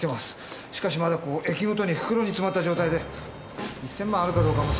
しかしまだこう駅ごとに袋に詰まった状態で１，０００万あるかどうかも定かでは。